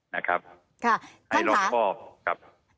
นะครับให้รอบพอบครับท่านขาท่านขา